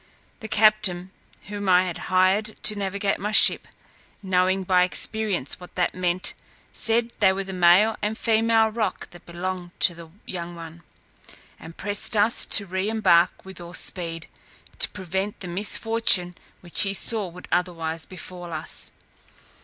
The captain whom I had hired to navigate my ship, knowing by experience what they meant, said they were the male and female roc that belonged to the young one, and pressed us to re embark with all speed, to prevent the misfortune which he saw would otherwise befall us.